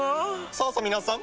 さぁさ皆さん！